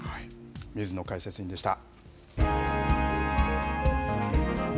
水野解説委員でした。